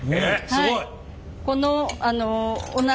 はい。